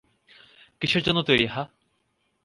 কীসের জন্য তৈরি, হাহ?